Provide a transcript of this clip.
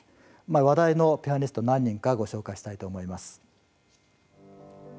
話題のピアニストを何人かご紹介したいと思います。